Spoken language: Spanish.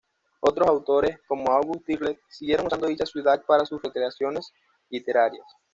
Otros autores, como August Derleth siguieron usando dicha ciudad para sus creaciones literarias.